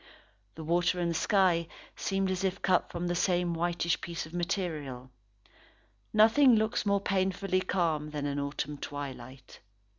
The water and sky seemed as if cut from the same whitish piece of material. Nothing looks more painfully calm than an autumn twilight.